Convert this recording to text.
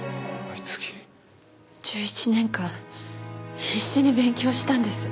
１１年間必死に勉強したんです。